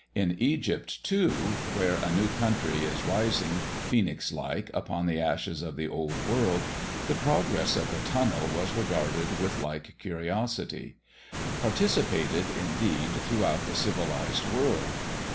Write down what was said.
In Egypt, too, where a new country is rising, phoenix like, upon the ashes of the old world, the progress of the tunnel was regarded with like curiosity; participated, indeed, throughout the civilised world.